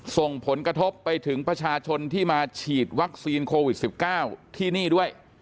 ส่งผลกระทบไปถึงประชาชนที่มาฉีดวัคซีนโควิด๑๙ที่นี่ด้วย